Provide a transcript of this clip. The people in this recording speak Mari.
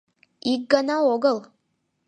Ик гана огыл!